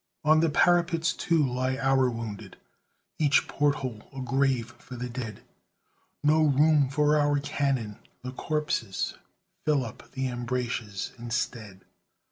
On the parapets, too, lie our wounded, Each porthole a grave for the dead; No room for our cannon, the corpses Fill up the embrasures instead.